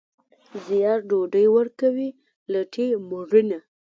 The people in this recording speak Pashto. زیار ډوډۍ ورکوي، لټي مړینه.